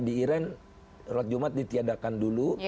di iran sholat jumat ditiadakan dulu